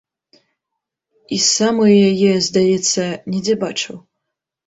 І самую яе, здаецца, недзе бачыў.